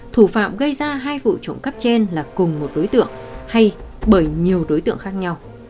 thủ phạm gây ra hai vụ trộm cắp trên là cùng một đối tượng hay bởi nhiều đối tượng khác nhau